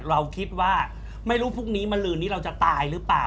เราคิดว่าไม่รู้พรุ่งนี้มาลืนนี้เราจะตายหรือเปล่า